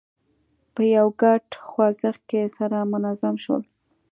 په یوه ګډ خوځښت کې سره منظم شول.